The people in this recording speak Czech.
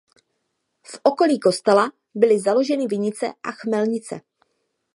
V okolí kostela byly založeny vinice a chmelnice.